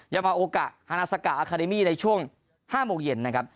ยามาโอกะฮานาซากะอาคาเดมี่ในช่วง๕โมงเย็นนะครับ